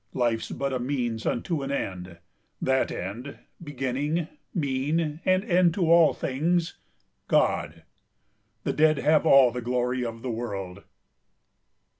Life's but a means unto an end; that end, Beginning, mean, and end to all things God. The dead have all the glory of the world.